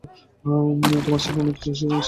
তোমার ছেলের উন্নত চিকিৎসার জন্য সিঙ্গাপুরে পাঠাবো।